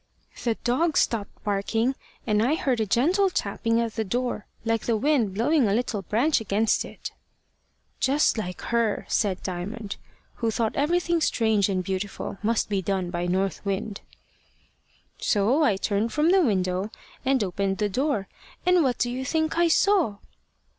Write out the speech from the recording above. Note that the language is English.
"The dog stopped barking, and I heard a gentle tapping at the door, like the wind blowing a little branch against it." "Just like her," said Diamond, who thought everything strange and beautiful must be done by North Wind. "So I turned from the window and opened the door; and what do you think I saw?"